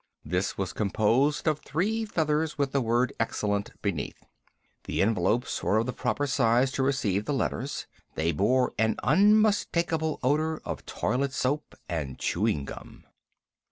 This was composed of three feathers with the word "Excellent" beneath. The envelopes were of the proper size to receive the letters. They bore an unmistakable odor of toilet soap and chewing gum.